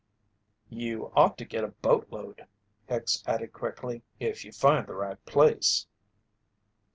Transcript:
"You ought to get a boatload," Hicks added quickly, "if you find the right place."